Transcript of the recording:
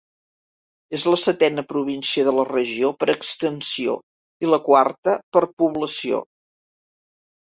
És la setena província de la regió per extensió, i la quarta per població.